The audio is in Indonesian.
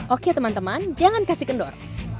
oke teman teman jangan kasih kendor